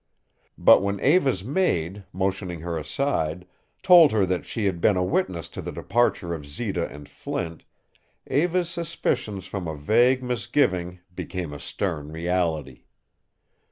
But when Eva's maid, motioning her aside, told her that she had been a witness to the departure of Zita and Flint, Eva's suspicions from a vague misgiving became a stern reality.